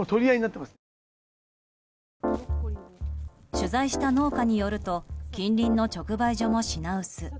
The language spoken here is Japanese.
取材した農家によると近隣の直売所も品薄。